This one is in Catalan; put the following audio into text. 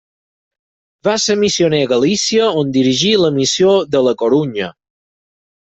Va ser missioner a Galícia on dirigí la Missió de la Corunya.